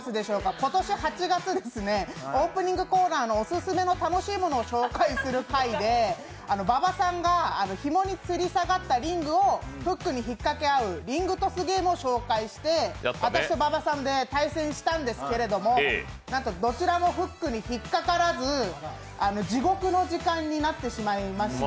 今年８月、オープニングコーナーのオススメの楽しいものを紹介する回で、馬場さんがひもにつり下がったリングをフックに引っかけ合う「リングトスゲーム」を紹介して、私と馬場さんで対戦したんですけれどもなんと、どちらもフックに引っかからず、地獄の時間になってしまいまして。